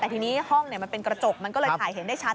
แต่ทีนี้ห้องมันเป็นกระจกมันก็เลยถ่ายเห็นได้ชัด